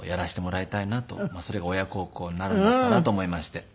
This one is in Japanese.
それが親孝行になるんだったらと思いまして。